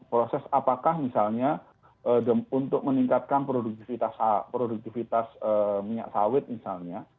proses apakah misalnya untuk meningkatkan produktivitas minyak sawit misalnya